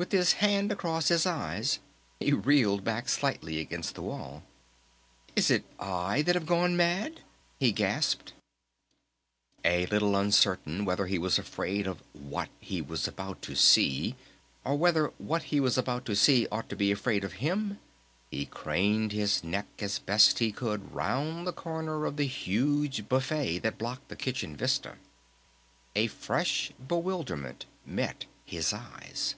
With his hand across his eyes he reeled back slightly against the wall. "It is I that have gone mad!" he gasped. A little uncertain whether he was afraid of What He Was About to See, or whether What He Was About to See ought to be afraid of him, he craned his neck as best he could round the corner of the huge buffet that blocked the kitchen vista. A fresh bewilderment met his eyes.